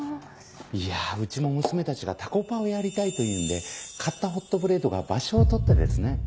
いやうちも娘たちがタコパをやりたいと言うんで買ったホットプレートが場所を取ってですね。